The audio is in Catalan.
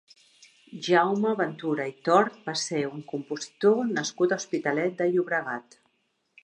Jaume Ventura i Tort va ser un compositor nascut a l'Hospitalet de Llobregat.